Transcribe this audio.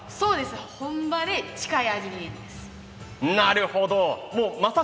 本場に近い味です。